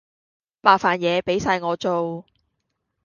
麻煩野俾哂我做